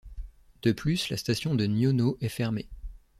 De plus, la station de Niono est fermée.